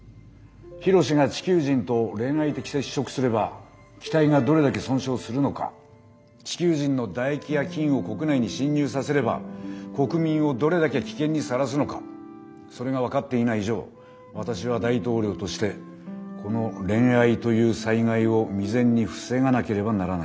緋炉詩が地球人と恋愛的接触すれば機体がどれだけ損傷するのか地球人の唾液や菌を国内に侵入させれば国民をどれだけ危険にさらすのかそれが分かっていない以上私は大統領としてこの「恋愛」という災害を未然に防がなければならないんです。